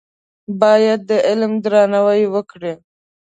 باید د علم درناوی وکړې.